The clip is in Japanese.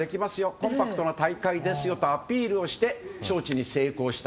コンパクトな大会ですよとアピールをして招致に成功した。